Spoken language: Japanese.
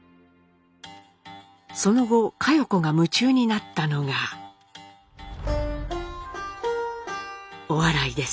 その後佳代子が夢中になったのがお笑いです。